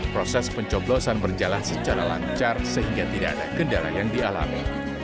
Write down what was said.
proses pencoblosan berjalan secara lancar sehingga tidak ada kendala yang dialami